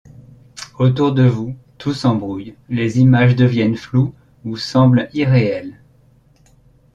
Autour de vous, tout s'embrouille, les images deviennent floues ou semblent irréelles.